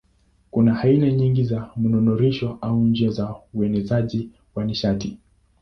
Kuna aina nyingi za mnururisho au njia za uenezaji wa nishati.